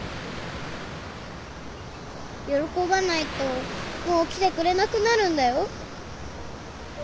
喜ばないともう来てくれなくなるんだよ。